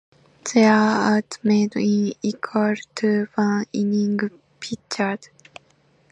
Three outs made is equal to one inning pitched.